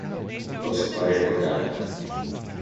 He also buried the gun.